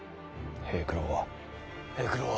平九郎は？